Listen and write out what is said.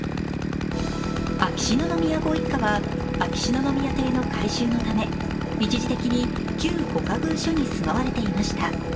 秋篠宮ご一家は秋篠宮邸の改修のため一時的に旧御仮寓所に住まわれていました。